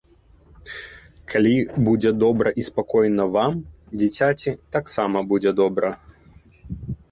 Калі будзе добра і спакойна вам, дзіцяці таксама будзе добра.